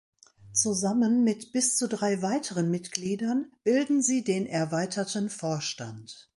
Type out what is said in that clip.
Zusammen mit bis zu drei weiteren Mitgliedern bilden sie den erweiterten Vorstand.